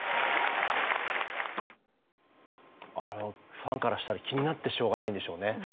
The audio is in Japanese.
ファンからしたら気になってしょうがないんでしょうね。